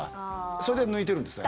それで抜いてるんですね。